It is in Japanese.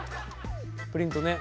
プリントね。